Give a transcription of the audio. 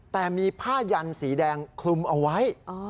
แต่มีผ้ายันสีแดงคลุมเอาไว้